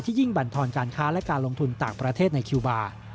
ยิ่งบรรทอนการค้าและการลงทุนต่างประเทศในคิวบาร์